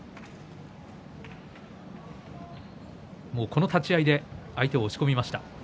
この立ち合いで相手を押し込みました。